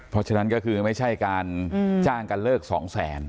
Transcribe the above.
เพราะฉะนั้นก็คือไม่ใช่การจ้างกันเลิกสองแสน